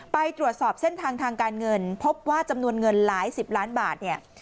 ไปตรวจสอบเส้นทางทางการเงินพบว่าจำนวนเงินหลายสิบล้านบาทเนี่ย